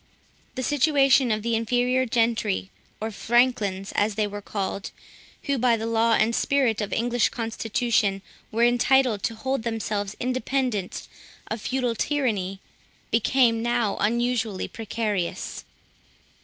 The situation of the inferior gentry, or Franklins, as they were called, who, by the law and spirit of the English constitution, were entitled to hold themselves independent of feudal tyranny, became now unusually precarious.